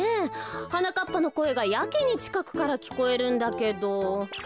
はなかっぱのこえがやけにちかくからきこえるんだけど。